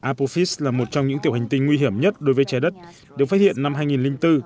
apophis là một trong những tiểu hành tinh nguy hiểm nhất đối với trái đất được phát hiện năm hai nghìn bốn